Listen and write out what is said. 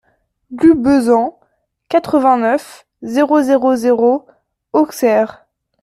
Rue Besan, quatre-vingt-neuf, zéro zéro zéro Auxerre